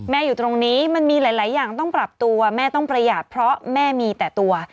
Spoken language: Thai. อยู่ตรงนี้มันมีหลายอย่างต้องปรับตัวแม่ต้องประหยัดเพราะแม่มีแต่ตัว